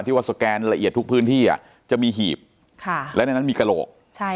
ว่าสแกนละเอียดทุกพื้นที่จะมีหีบและในนั้นมีกระโหลก